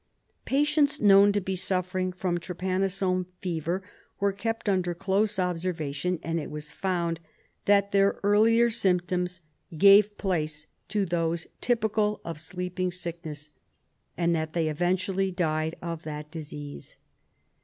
Patients known to be suffering from trypanosome fever were kept under close observation, and it was found that their earlier symptoms gave place to those typical of sleeping sickness, and that they eventually died of that disease.